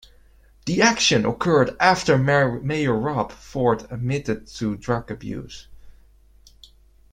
The action occurred after Mayor Rob Ford admitted to drug abuse.